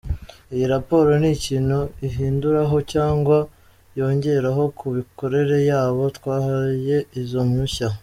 Iyi raporo nta kintu ihinduraho cyangwa yongeraho ku mikorere y’abo twahaye izo mpushya.